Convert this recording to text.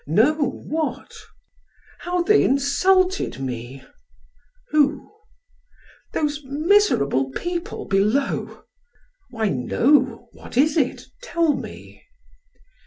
"No; what?" "How they insulted me?" "Who?" "Those miserable people below." "Why, no; what is it? Tell me."